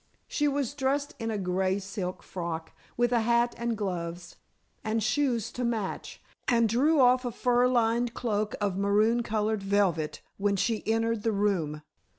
She was dressed in a gray silk frock, with a hat and gloves, and shoes to match, and drew off a fur lined cloak of maroon colored velvet, when she entered the room.